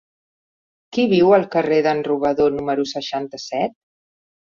Qui viu al carrer d'en Robador número seixanta-set?